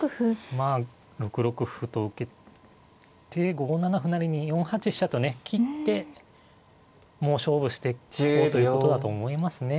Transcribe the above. まあ６六歩と受けて５七歩成に４八飛車とね切ってもう勝負していこうということだと思いますね。